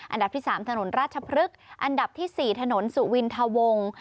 อันดับที่๓ถนนราชพฤกษ์อันดับที่๔ถนนสุวินทะวง